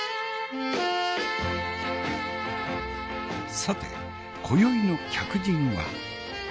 さて今宵の客人は？